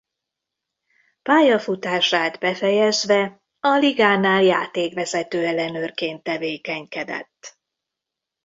Pályafutását befejezve a Ligánál játékvezető ellenőrként tevékenykedett.